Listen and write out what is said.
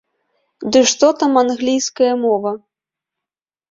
Ды што там англійская мова!